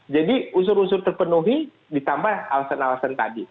jadi unsur unsur terpenuhi ditambah alasan alasan tadi